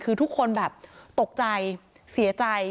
คือทุกคนแบบตกใจเสียใจ